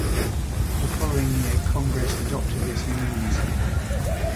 The following year Congress adopted this unanimously.